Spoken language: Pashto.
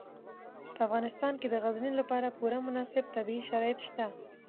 په افغانستان کې د غزني لپاره پوره مناسب طبیعي شرایط شته.